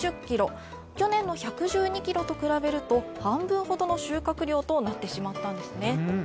去年の１１２ｋｇに比べると半分ほどの収穫量となってしまったんですね。